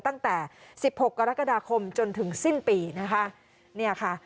ตั้งแต่๑๖กรกฎาคมจนถึงสิ้นปีนะคะ